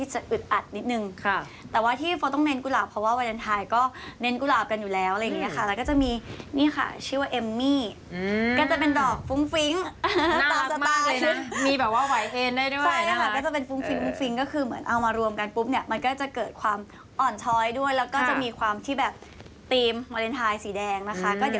ใช่จะนุ่มนวนขึ้นเพราะว่าถ้าเกิดสมมุติเอาแดงกับชมพูแล้วเป็นกุหลาบล้วนเนี่ย